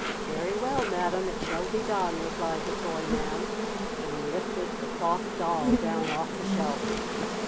"Very well, Madam, it shall be done," replied the toy man, and he lifted the Cloth Doll down off the shelf.